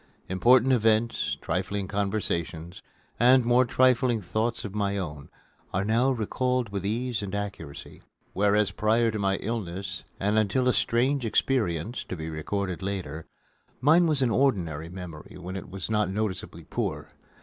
Important events, trifling conversations, and more trifling thoughts of my own are now recalled with ease and accuracy; whereas, prior to my illness and until a strange experience to be recorded later, mine was an ordinary memory when it was not noticeably poor.